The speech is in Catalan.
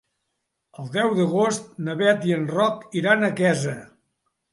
El deu d'agost na Bet i en Roc iran a Quesa.